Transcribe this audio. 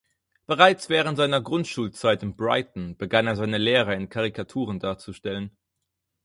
Bereits während seiner Grundschulzeit in Brighton begann er seine Lehrer in Karikaturen darzustellen.